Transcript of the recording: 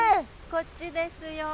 こっちですよ。